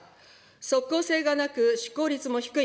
即効性がなく、執行率も低い。